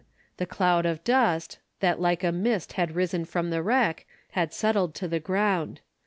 The cloud of dust, that like a mist had risen from the wreck, had settled to the ground.